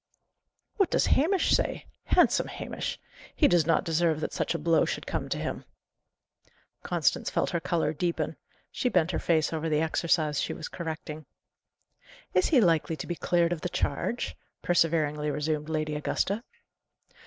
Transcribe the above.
"What does Hamish say? handsome Hamish! He does not deserve that such a blow should come to him." Constance felt her colour deepen. She bent her face over the exercise she was correcting. "Is he likely to be cleared of the charge?" perseveringly resumed Lady Augusta.